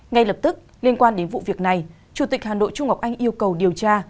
ngay lập tức liên quan đến vụ việc này chủ tịch hà nội trung ngọc anh yêu cầu điều tra